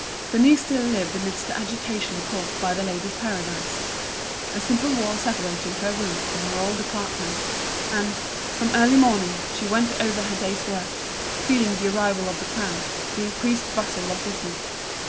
Denise still lived amidst the agitation caused by The Ladies' Paradise. A simple wall separated her room from her old department; and, from early morning, she went over her day's work, feeling the arrival of the crowd, the increased bustle of business.